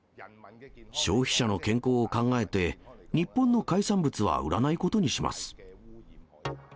消費者の健康を考えて、日本の海産物は売らないことにします。